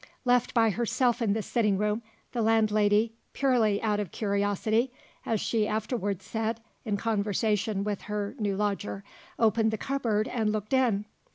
Left by herself in the sitting room, the landlady "purely out of curiosity," as she afterwards said, in conversation with her new lodger opened the cupboard, and looked in.